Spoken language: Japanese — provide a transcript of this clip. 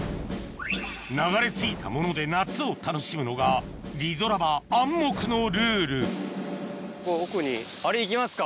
流れ着いたもので夏を楽しむのがリゾラバ暗黙のルールあれ行きますか。